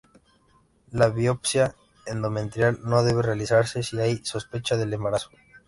La biopsia endometrial no debe realizarse si hay sospecha de embarazo.